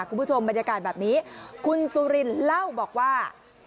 คุณผู้ชมบรรยากาศแบบนี้คุณสุรินเล่าบอกว่า